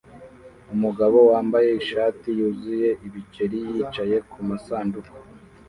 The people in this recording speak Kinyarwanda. Umugabo wambaye ishati yuzuye ibiceri yicaye kumasanduku